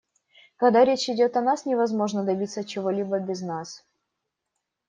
Когда речь идет о нас, невозможно добиться чего-либо без нас.